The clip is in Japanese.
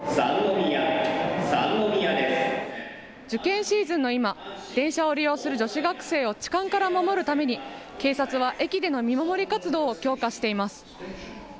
受験シーズンの今、電車を利用する女子学生を痴漢から守るために警察は駅での見守り活動を強化しています。